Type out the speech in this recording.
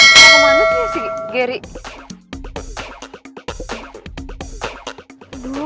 kalo manusia sih gary